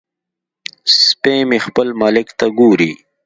سپی مې خپل مالک ته ګوري.